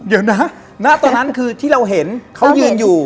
เดี๋ยวนะณตอนนั้นคือที่เราเห็นเขายืนอยู่